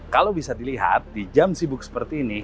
kalau bisa dilihat di jam sibuk seperti ini